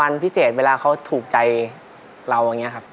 พิเศษเวลาเขาถูกใจเราอย่างนี้ครับ